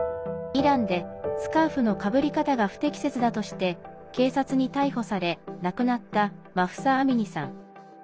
イランでスカーフのかぶり方が不適切だとして警察に逮捕され、亡くなったマフサ・アミニさん。